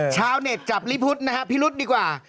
ชาวเน็ตจับลิฟุธนะครับพี่รุ๊ดดีกว่า